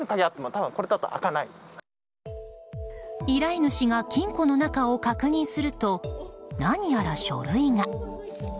依頼主が金庫の中を確認すると何やら書類が。